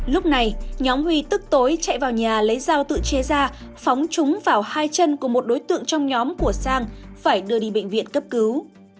lúc này nhóm huy tức tối chạy vào nhà lấy dao tự chế ra phóng chúng vào hai chân của một đối tượng trong nhóm của sang phải đưa đi bệnh viện cấp cứu